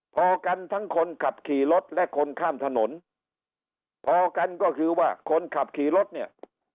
พอกันทั้งคนขับขี่รถและคนข้ามถนนพอกันก็คือว่าคนขับขี่รถเนี่ย